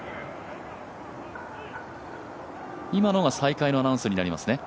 今のが再開のアナウンスになりますね？